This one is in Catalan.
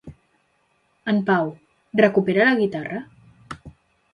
En Pau, recupera la guitarra?